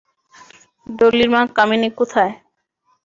ডলির মা কামিনী কোথায়?